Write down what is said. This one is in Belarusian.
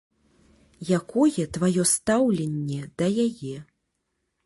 Якое тваё стаўленне да яе?